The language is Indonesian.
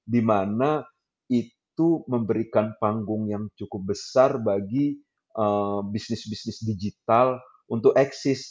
dimana itu memberikan panggung yang cukup besar bagi bisnis bisnis digital untuk eksis